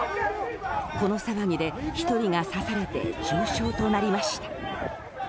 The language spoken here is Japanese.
この騒ぎで１人が刺されて重傷となりました。